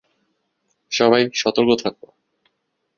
সবাই, সতর্ক থাকো।